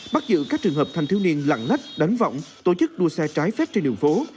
bắt giữ các trường hợp thanh thiếu niên lặng lách đánh vọng tổ chức đua xe trái phép trên đường phố